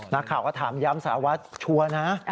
ลาข่าวก็ถามย้ำศาวถ์ชั่วนะ